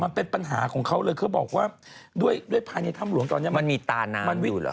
มันเป็นปัญหาของเขาเลยเขาบอกว่าด้วยภายในถ้ำหลวงตอนนี้มันมีตาน้ำมันวิ่งเหรอ